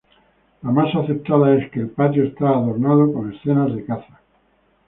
La más aceptada es que el patio estaba adornado con escenas de caza.